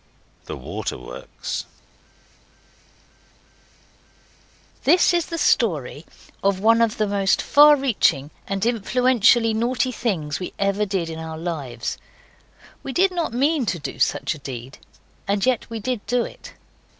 THE WATERWORKS This is the story of one of the most far reaching and influentially naughty things we ever did in our lives. We did not mean to do such a deed. And yet we did do it.